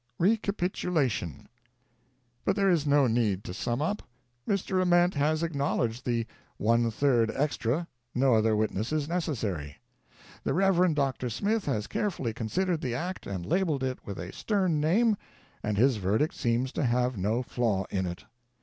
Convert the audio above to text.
RECAPITULATION. But there is no need to sum up. Mr. Ament has acknowl edged the "one third extra" — no other witness is necessary. The Rev. Dr. Smith has carefully considered the act and labeled it with a stern name, and his verdict seems to have no flaw in it.